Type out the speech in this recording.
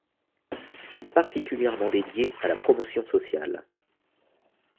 Ils sont particulièrement dédiés à la promotion sociale.